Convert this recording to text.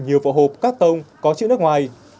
nhiều vỏ hộp các tông có chữ nước ngoài